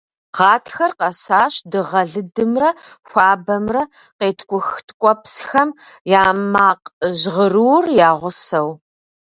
Гъатхэр къэсащ дыгъэ лыдымрэ хуабэмрэ, къеткӀух ткӀуэпсхэм я макъ жьгъырур я гъусэу.